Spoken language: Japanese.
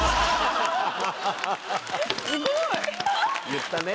言ったね。